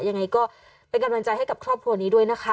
ยังไงก็เป็นกำลังใจให้กับครอบครัวนี้ด้วยนะคะ